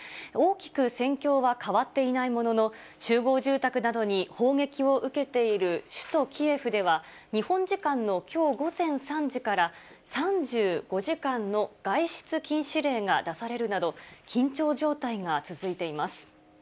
大きく戦況は変わっていないものの、集合住宅などに砲撃を受けている首都キエフでは、日本時間のきょう午前３時から、３５時間の外出禁止令が出されるなど、緊張状態が続いています。